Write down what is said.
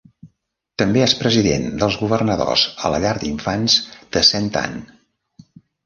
També és president dels governadors a la llar d'infants de Saint Anne.